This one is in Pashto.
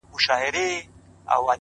و تاته چا زما غلط تعريف کړی و خدايه ـ